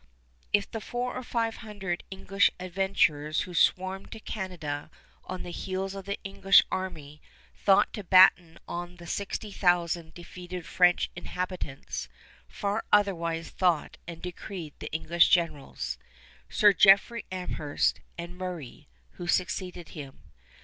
If the four or five hundred English adventurers who swarmed to Canada on the heels of the English army thought to batten on the sixty thousand defeated French inhabitants, far otherwise thought and decreed the English generals, Sir Jeffrey Amherst, and Murray, who succeeded him.